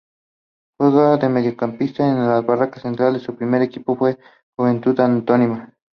Juega de mediocampista en el Barracas Central y su primer equipo fue Juventud Antoniana.